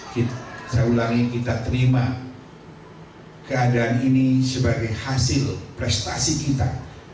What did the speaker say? kita ulangi kita terima keadaan ini sebagai hasil prestasi kita